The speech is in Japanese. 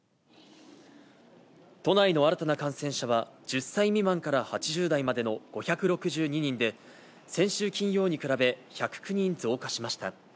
都内の新たな感染者は、１０歳未満から８０代までの５６２人で、先週金曜に比べ１０９人増加しました。